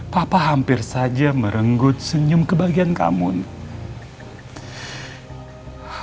papa hampir saja merenggut senyum kebagian kamu nih